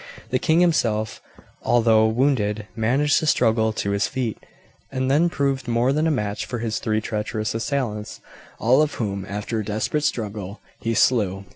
The king himself, although wounded, managed to struggle to his feet, and then proved more than a match for his three treacherous assailants, all of whom, after a desperate struggle, he slew.